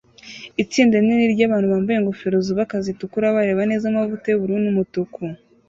Itsinda rinini ryabantu bambaye ingofero zubaka zitukura bareba neza amavuta yubururu n umutuku